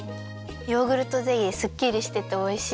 ヨーグルトゼリーすっきりしてておいしい。